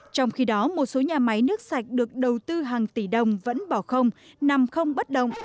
trong khi đó một số nhà máy nước sạch được đầu tư hàng tỷ đồng vẫn bỏ không nằm không bất động